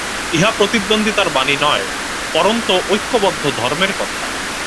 ইহা প্রতিদ্বন্দ্বিতার বাণী নয়, পরন্তু ঐক্যবদ্ধ ধর্মের কথা।